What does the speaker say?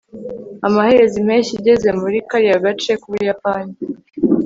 amaherezo, impeshyi igeze muri kariya gace k'ubuyapani